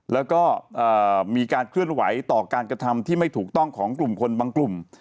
แล้วก็มีการเคลื่อนไหวต่อการกระทำที่ไม่ถูกต้องของกลุ่มคนบางกลุ่ม